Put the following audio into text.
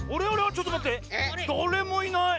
ちょっとまってだれもいない！